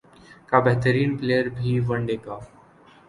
کا بہترین پلئیر بھی ون ڈے کا